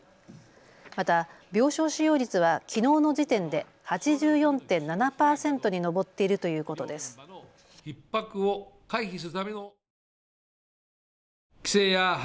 また病床使用率はきのうの時点で８４．７％に上っているということです。